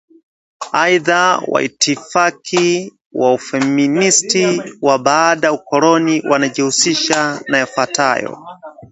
Aidha, waitifaki wa Ufeministi wa Baada ukoloni wanajihusisha na yafuatayo